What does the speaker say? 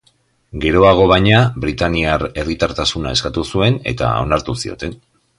Geroago, baina, britainiar herritartasuna eskatu zuen, eta onartu zioten.